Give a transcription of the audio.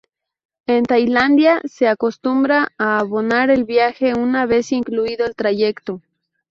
En Tailandia se acostumbra a abonar el viaje una vez concluido el trayecto.